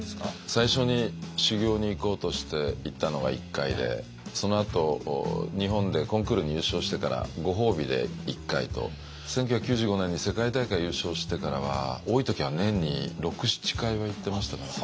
最初に修行に行こうとして行ったのが１回でそのあと日本でコンクールに優勝してからご褒美で１回と１９９５年に世界大会優勝してからは多い時は年に６７回は行ってましたね。